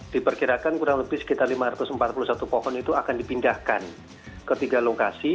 diperkirakan kurang lebih sekitar lima ratus empat puluh satu pohon itu akan dipindahkan ke tiga lokasi